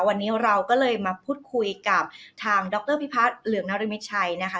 วันนี้เราก็เลยมาพูดคุยกับทางดรพิพัฒน์เหลืองนริมิชัยนะคะ